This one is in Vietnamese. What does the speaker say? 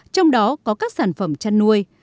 trong đó có các sản phẩm chăn nuôi